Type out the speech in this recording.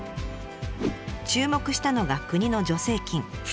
注目したのが国の助成金。